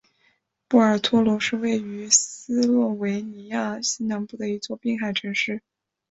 波尔托罗是位于斯洛维尼亚西南部的一座滨海城市。